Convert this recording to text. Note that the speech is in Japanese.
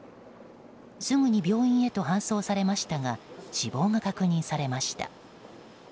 すぐに病院へと搬送されましたが死亡が確認されました。